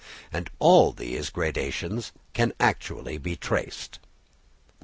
And all these gradations can be actually traced.